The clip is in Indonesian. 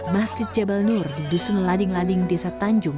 masjid jabal nur di dusun lading lading desa tanjung